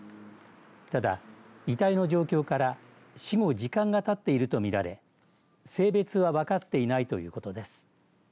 ただ、遺体の状況から死後時間がたっていると見られ性別は分かっていないということです。